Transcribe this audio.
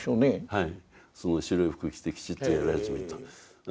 はい。